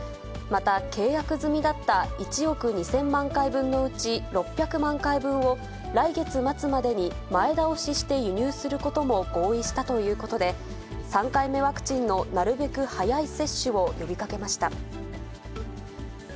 また契約済みだった１億２０００万回分のうち、６００万回分を、来月末までに前倒しして輸入することも合意したということで、３回目ワクチンのなるべく早い接種を呼びかけました。